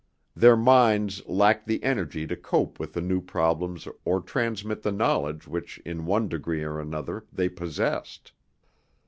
Their minds lacked the energy to cope with new problems or transmit the knowledge which in one degree or another, they possessed.